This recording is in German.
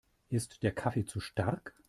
Ist der Kaffee zu stark?